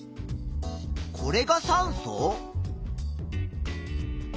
これが酸素？